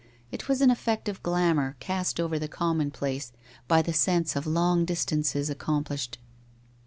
It was an effect of glamour cast over the commonplace by the sense of long distances accomplished.